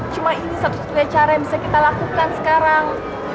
cuma ini satu satunya cara yang bisa kita lakukan sekarang